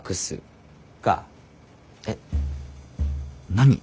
何？